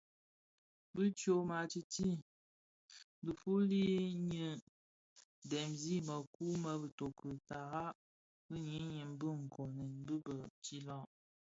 Bi tyoma tïti dhifuli nyi dhemzi mëkuu më bïtoki tara bi ňyinim bë nkoomen bii bë tsilag.